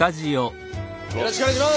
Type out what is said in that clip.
よろしくお願いします！